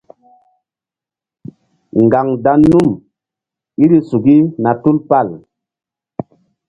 Ŋgaŋ dan num iri suki na tupal.